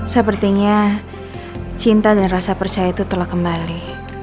sepertinya cinta dan rasa percaya itu telah kembali